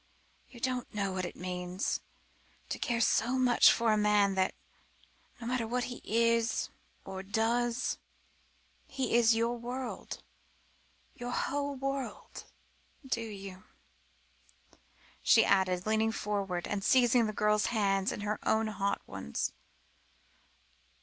"You don't know what it means, to care so much for a man that no matter what he is, or does, he is your world, your whole world. Do you?" she asked, leaning forward and seizing the girl's hands in her own hot ones.